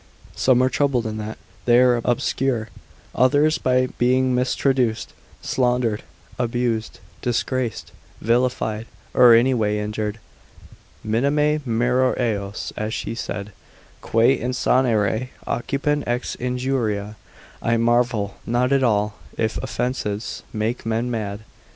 Some are troubled in that they are obscure; others by being traduced, slandered, abused, disgraced, vilified, or any way injured: minime miror eos (as he said) qui insanire occipiunt ex injuria, I marvel not at all if offences make men mad.